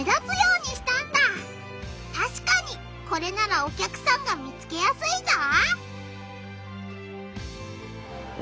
たしかにこれならお客さんが見つけやすいぞ！